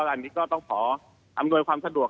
อันนี้ก็ต้องขออำนวยความสะดวก